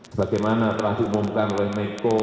sebagaimana telah diumumkan oleh menko